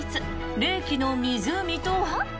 冷気の湖とは。